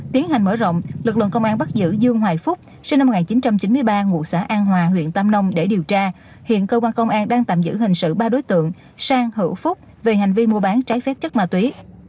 tiến hành mở rộng lực lượng công an bắt giữ dương hoài phúc sinh năm một nghìn chín trăm chín mươi ba ngụ xã an hòa huyện tam nông để điều tra hiện cơ quan công an đang tạm giữ hình sự ba đối tượng sang hữu phúc về hành vi mua bán trái phép chất ma túy